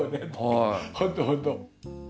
本当本当。